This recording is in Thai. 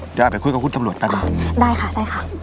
เดี๋ยวไปคุยกับคุณตำรวจได้ป่ะได้ค่ะได้ค่ะ